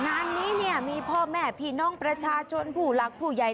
งานนี้ต้องทำให้พ่อแม่ว่าพี่น้องประชาชนผู้รักผู้ใหญ่